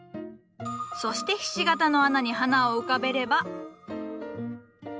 そしてひし形の穴に花を浮かべれば。